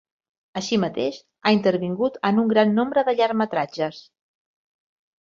Així mateix, ha intervingut en un gran nombre de llargmetratges.